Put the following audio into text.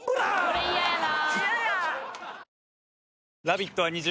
これ嫌やな。